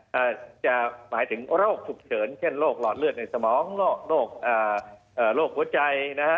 ฮะจะหมายถึงโรคสุดเกิดเช่นโรครอดเลือดในสมองโรคโรควดใจนะฮะ